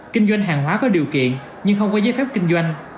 kinh doanh hàng hóa có điều kiện nhưng không có giấy phép kinh doanh